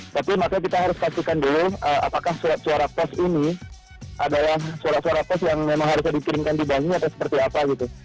tapi makanya kita harus pastikan dulu apakah surat suara pos ini adalah surat suara pos yang memang harusnya dikirimkan di bank ini atau seperti apa gitu